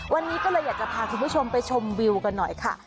วันนี้ก็เลยอยากจะพาคุณผู้ชมไปชมวิวกันหน่อยค่ะ